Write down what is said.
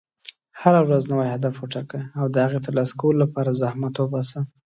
هره ورځ نوی هدف وټاکه، او د هغې د ترسره کولو لپاره زحمت وباسه.